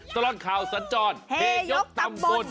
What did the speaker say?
ตลอดข่าวสัญจรเฮยกตำบล